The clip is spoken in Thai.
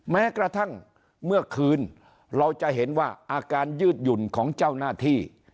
แม้กระทั่งเมื่อคืนเราจะเห็นว่าอาการยืดหยุ่นของเจ้าหน้าที่